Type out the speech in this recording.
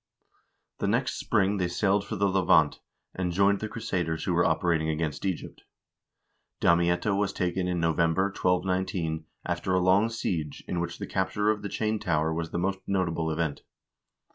The next spring they sailed for the Levant, and joined the crusaders who were operating against Egypt. Damietta was taken in November, 1219, after a long siege in which the capture of the chain tower was the most notable event.